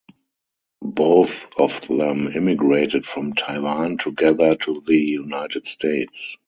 Both of them immigrated from Taiwan together to the United States.